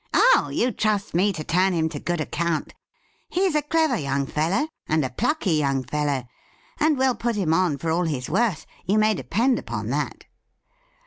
' Oh, you trust me to turn him to good account. He's a clever young fellow, and a plucky young fellow, and we'll put him on for all he's worth — you may depend upon that.'